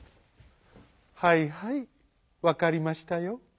「はいはいわかりましたよ」。